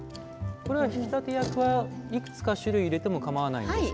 これは引き立て役はいくつか種類を入れてもいいんですか。